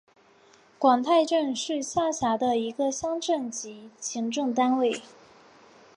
广太镇是下辖的一个乡镇级行政单位。